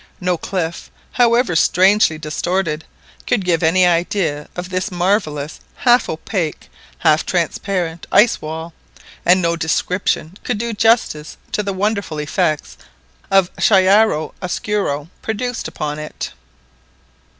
No cliff, however strangely distorted, could give any idea of this marvellous half opaque, half transparent ice wall, and no description could do justice to the wonderful effects of chiara oscuro produced upon it.